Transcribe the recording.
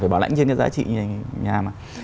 phải bảo lãnh trên cái giá trị nhà mà